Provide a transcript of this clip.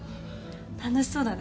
楽しそうだね。